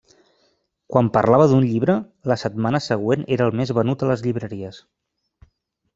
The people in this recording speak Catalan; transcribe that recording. Quan parlava d’un llibre, la setmana següent era el més venut a les llibreries.